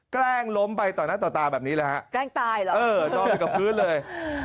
แกล้งล้มไปต่อหน้าต่อตาแบบนี้เลยฮะแกล้งตายเหรอเออนอนอยู่กับพื้นเลย